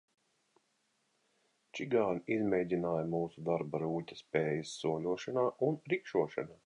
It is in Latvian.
Čigāni izmēģināja mūsu darba rūķa spējas, soļošanā un rikšošanā.